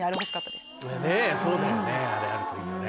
そうだよねあれあるといいよね。